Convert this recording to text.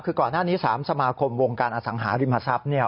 คือก่อนหน้านี้๓สมาคมวงการอสังหาริมทรัพย์เนี่ย